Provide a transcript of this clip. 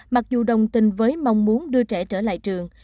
mặc dù đồng tình với mong muốn đưa trẻ trở lại trường